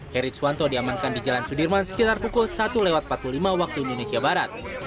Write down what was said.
herit suwanto diamankan di jalan sudirman sekitar pukul satu empat puluh lima waktu indonesia barat